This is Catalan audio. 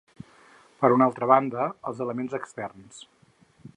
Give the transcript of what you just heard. Per una altra banda, els elements externs.